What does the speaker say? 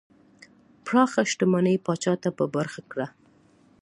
پراخه شتمنۍ پاچا ته په برخه کړه.